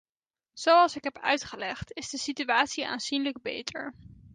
Zoals ik heb uitgelegd, is de situatie aanzienlijk beter.